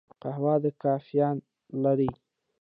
قهوه کافین لري